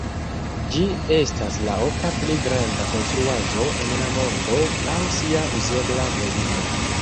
Ĝi estas la oka pli granda konstruaĵo en la mondo laŭ sia uzebla volumo.